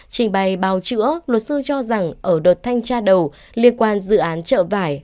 trình bày bào chữa luật sư cho rằng ở đợt thanh tra đầu liên quan dự án trợ vải